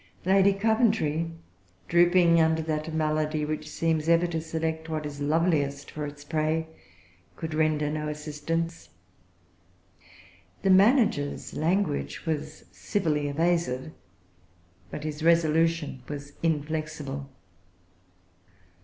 Lady Coventry, drooping under that malady which seems ever to select what is loveliest for its prey, could render no assistance. The manager's language was civilly evasive; but his resolution was inflexible.